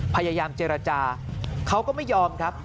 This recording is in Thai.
พยายามเจรจาเขาก็ไม่ยอมครับ